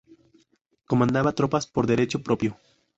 Comandaba tropas por derecho propio.